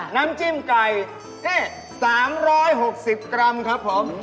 น้ำจิ้มไก่๓๖๐กรัมครับผม